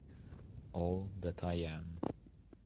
All That I Am